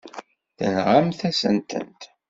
Tenɣamt-asen-tent.